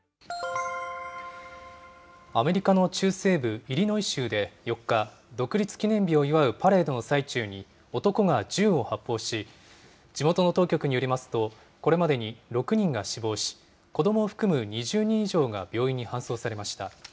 アメリカの中西部イリノイ州で４日、独立記念日を祝うパレードの最中に、男が銃を発砲し、地元の当局によりますと、これまでに６人が死亡し、子どもを含む２０人以上が病院に搬送されました。